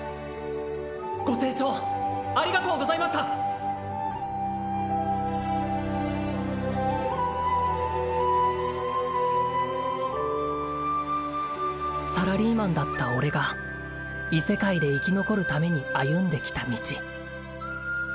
ご清聴ありがとうございましたサラリーマンだった俺が異世界で生き残るために歩んできた道